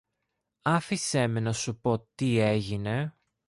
Άφησε με να σου πω τι έγινε.